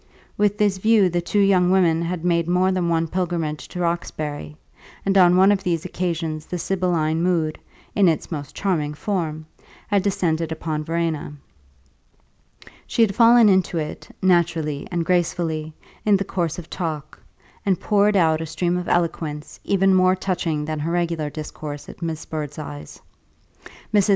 With this view the two young women had made more than one pilgrimage to Roxbury, and on one of these occasions the sibylline mood (in its most charming form) had descended upon Verena. She had fallen into it, naturally and gracefully, in the course of talk, and poured out a stream of eloquence even more touching than her regular discourse at Miss Birdseye's. Mrs.